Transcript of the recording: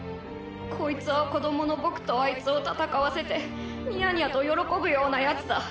こいつは子供の僕とあいつを戦わせてニヤニヤと喜ぶようなヤツだ